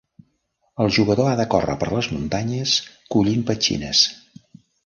El jugador ha de córrer per les muntanyes collint petxines.